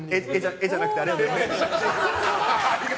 絵じゃなくてありがとうございっます。